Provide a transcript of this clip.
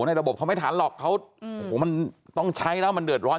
ระบบเขาไม่ทันหรอกเขาโอ้โหมันต้องใช้แล้วมันเดือดร้อน